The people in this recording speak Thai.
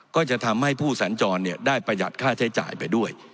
ก็จะทำให้ผู้สัญจรได้ประหยัดค่าใช้จ่ายไปด้วย